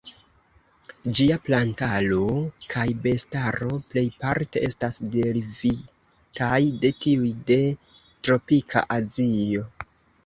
Ĝia plantaro kaj bestaro plejparte estas derivitaj de tiuj de tropika Azio.